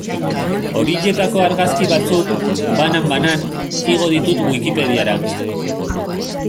Horietako argazki batzuk, banan-banan, igo ditut Wikipediara.